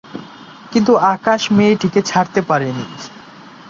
কিন্তু আকাশ মেয়েটিকে ছাড়তে পারেনি।